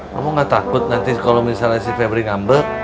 kamu gak takut nanti kalau misalnya si febri ngambek